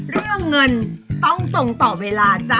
เรื่องเงินต้องส่งต่อเวลาจ้ะ